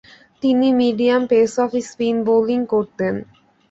তিনি medium pace off spin bowling করতেন।